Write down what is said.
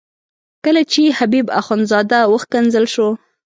کله چې حبیب اخندزاده وښکنځل شو.